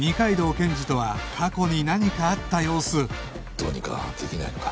どうにかできないのか？